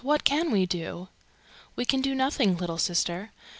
What can we do?" "We can do nothing, little sister.